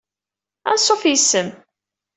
Ansuf yis-m.